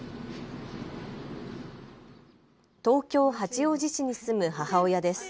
東京八王子市に住む母親です。